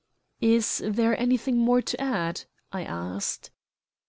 "Is there anything more to add?" I asked.